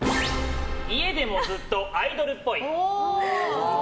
家でもずっとアイドルっぽい。